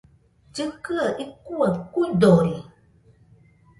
Llɨkɨaɨ icuaɨ kuidori